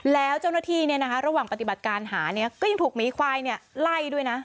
แล้วเจ้าหน้าที่ระหว่างปฏิบัติการหาก็ยังถูกหมีควายไล่ด้วยนะ